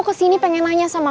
kesini pengen nanya sama